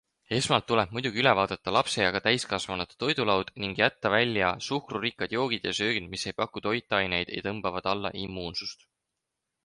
Esmalt tuleb muidugi üle vaadata lapse ja ka täiskasvanute toidulaud ning jätta välja suhkrurikkad joogid ja söögid, mis ei paku toitaineid ja tõmbavad alla immuunsust.